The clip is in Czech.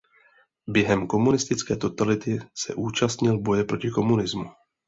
Během komunistické totality se účastnil boje proti komunismu.